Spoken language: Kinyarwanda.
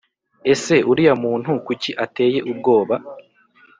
Ese uriya muntu kuki ateye ubwoba